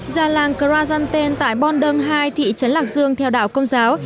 gia làng krasanten tại bondeng hai thị trấn lạc dương theo đạo công giáo